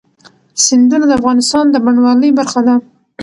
سیندونه د افغانستان د بڼوالۍ برخه ده.